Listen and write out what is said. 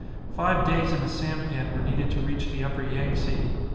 Five days in a sampan were needed to reach the Upper Yangtze.